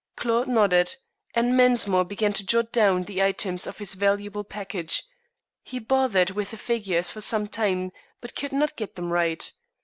Claude nodded, and Mensmore began to jot down the items of his valuable package. He bothered with the figures for some time but could not get them right.